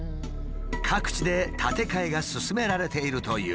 各地で建て替えが進められているという。